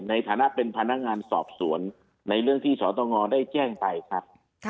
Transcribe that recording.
ในฐานะเป็นพนักงานสอบสวนในเรื่องที่สตงได้แจ้งไปครับ